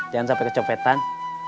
jangan sampai kecopetan